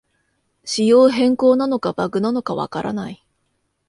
仕様変更なのかバグなのかわからない